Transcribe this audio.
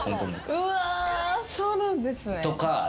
うわそうなんですね。